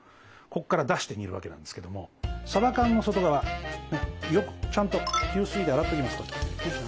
ここから出して煮るわけなんですけどもさば缶の外側ちゃんと流水で洗っときます。